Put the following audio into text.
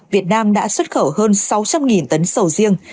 việt nam đã xuất khẩu hơn sáu trăm linh tấn sầu riêng